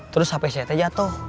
terus hp saya teh jatuh